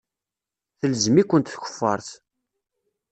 Telzem-ikent tkeffart.